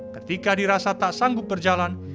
ketika dirasa tak sanggup berjalan